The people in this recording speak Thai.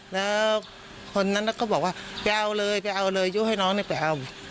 แล้วคนนั้นก็บอกว่าไปเอาเลยไปเอาเลยยกให้น้องไปเอา